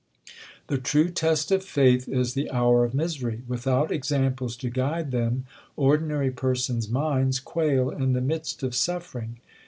The true test of faith is the hour of misery. Without examples to guide them ordinary persons minds quail in the midst of suffering.